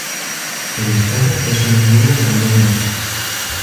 El Estado es un miembro de la Unión Europea.